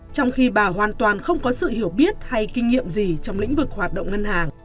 trong khi bà hoàn toàn không có sự hiểu biết hay kinh nghiệm gì trong lĩnh vực hoạt động ngân hàng